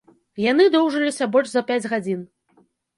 Яны доўжыліся больш за пяць гадзін.